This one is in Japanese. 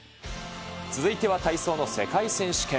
続いては体操の世界選手権。